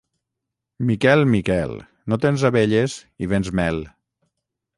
Miquel, Miquel, no tens abelles i vens mel.